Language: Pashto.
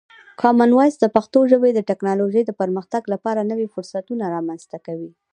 کامن وایس د پښتو ژبې د ټکنالوژۍ د پرمختګ لپاره نوی فرصتونه رامنځته کوي.